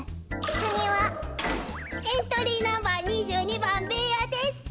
エントリーナンバー２２ばんベーヤです。